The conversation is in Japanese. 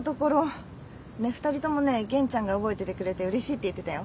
２人ともね元ちゃんが覚えててくれてうれしいって言ってたよ。